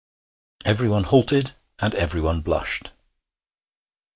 Everyone halted and everyone blushed.